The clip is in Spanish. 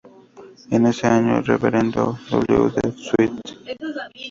En ese año el reverendo W. de St.